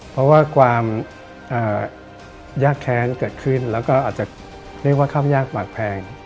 เพราะว่าความยากแค้นเกิดขึ้นแล้วก็อาจจะเรียกว่าข้ามยากมากแพง